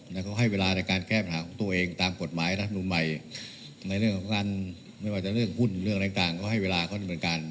แล้วเขาให้เวลาในการแก้ปัญหาของตัวเองตามกฎหมายรัฐมนุนใหม่ในเรื่องของการไม่ว่าจะเรื่องหุ้นเรื่องอะไรต่างก็ให้เวลาเขาดำเนินการ